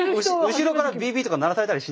後ろからビービーとか鳴らされたりしない？